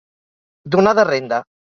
Donar de renda.